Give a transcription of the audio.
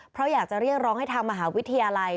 เพราะอยากจะเรียกร้องให้ทางมหาวิทยาลัย